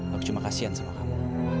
aku cuma kasian sama kamu